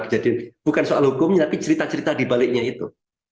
jadi bukan soal hukum tapi cerita cerita di baliknya itu